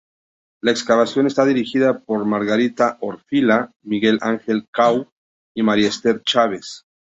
La excavación está dirigida por Margarita Orfila, Miguel Ángel Cau y Mª Esther Chávez.